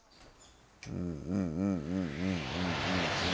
うんうんうんうんうんうん。